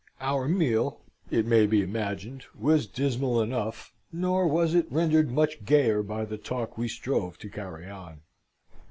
Our meal, it may be imagined, was dismal enough, nor was it rendered much gayer by the talk we strove to carry on.